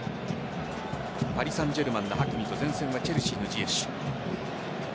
パリサンジェルマンのハキミと前線はチェルシーのジエシュ。